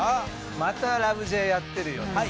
また『ラブ！！Ｊ』やってるよと。